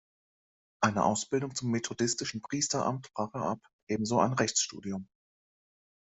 Eine Ausbildung zum methodistischen Priesteramt brach er ab, ebenso ein Rechtsstudium.